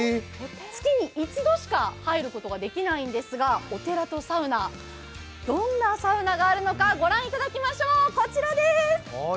月に一度しか入ることができないんですがお寺とサウナ、どんなサウナがあのか御覧いただきましょう。